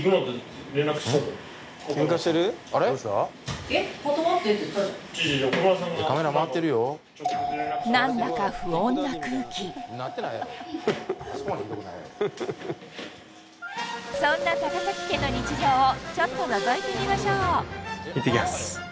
違う違う違う何だかそんな高崎家の日常をちょっとのぞいてみましょういってきます